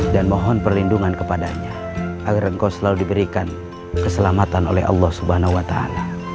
dan mohon perlindungan kepadanya agar engkau selalu diberikan keselamatan oleh allah subhanahuwata'ala